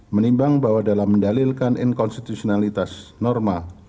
menimbang bahwa dalam mendalilkan inkonstitusionalitas norma